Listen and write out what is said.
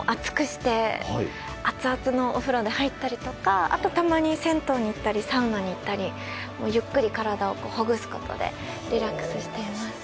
家の風呂を熱くして熱々のお風呂に入ったりとかあとは、たまに銭湯やサウナに行ったりゆっくり体をほぐすことでリラックスしています。